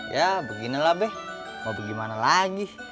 ya beginilah be mau gimana lagi